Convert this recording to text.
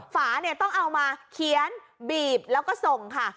ฝาเนี่ยต้องเอามาเขียนบีบแล้วก็ส่งค่ะ